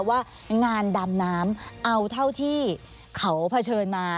ว่างานดำน้ำเอาเท่าที่เขาเผชิญมา